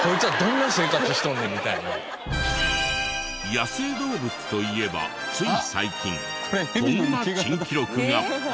野生動物といえばつい最近こんな珍記録が。